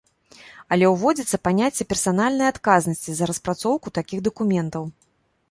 Але ўводзіцца паняцце персанальнай адказнасці за распрацоўку такіх дакументаў.